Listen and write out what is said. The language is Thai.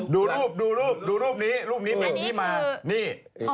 ดูรูปนี้รูปนี้แล้วนี่มานี่